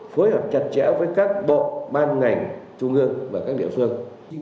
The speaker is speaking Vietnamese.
phối hợp chặt chẽ với các bộ ban ngành trung ương và các địa phương